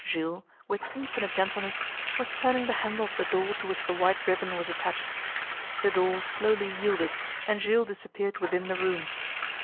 Jules, with infinite gentleness, was turning the handle of the door to which the white ribbon was attached. The door slowly yielded and Jules disappeared within the room.